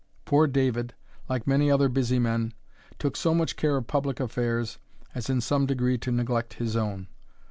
Poor David, like many other busy men, took so much care of public affairs, as in some degree to neglect his own.